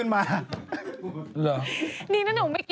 ไม่